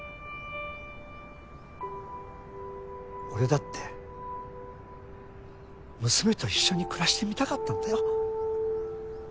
俺だって娘と一緒に暮らしてみたかったんだよ。